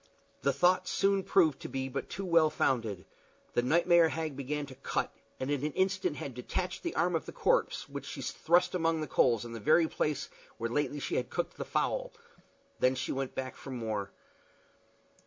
The thought soon proved to be but too well founded. The nightmare hag began to cut, and in an instant had detached the arm of the corpse, which she thrust among the coals in the very place where lately she had cooked the fowl. Then she went back for more.